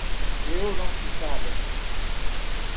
Eu não fiz nada.